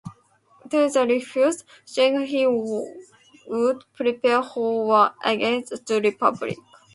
Tigranes refused, stating he would prepare for war against the Republic.